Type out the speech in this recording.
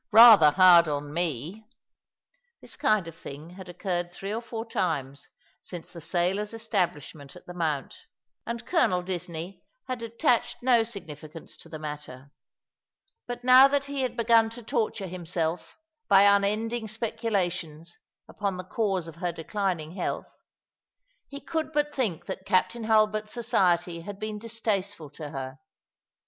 Eather hard upon me." This kind of thing had occurred three or four times since the sailor's establishment at the Mount, and Colonel Disney had attached no significance to the matter ; but now that he had begun to torture himself by unending speculations upon the cause of her declining health, he could but think that Captain Hulbert's society had been distasteful to her.